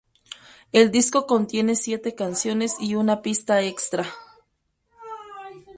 El disco contiene siete canciones y una pista extra.